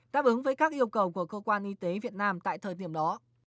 đáp ứng với các yêu cầu của cơ quan y tế việt nam tại thời điểm đó